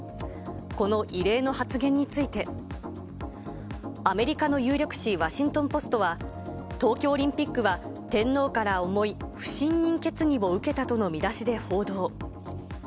この異例の発言について、アメリカの有力紙、ワシントンポストは、東京オリンピックは天皇から重い不信任決議を受けたとの見出しで報道。